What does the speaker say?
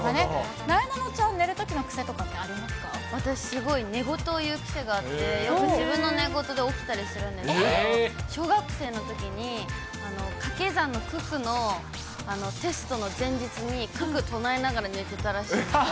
なえなのちゃん、寝るときの癖と私、すごい寝言を言う癖があって、自分の寝言で起きたりするんですけど、小学生のときに、掛け算の九九のテストの前日に、九九唱えながら寝てたらしい。